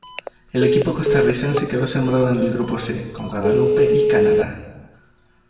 El equipo costarricense quedó sembrado en el grupo C, con Guadalupe y Canadá.